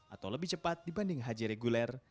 atau lebih cepat dibanding haji reguler